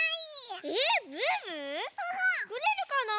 つくれるかな？